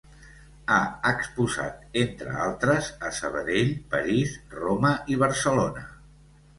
Ha exposat, entre altres, a Sabadell, París, Roma i Barcelona.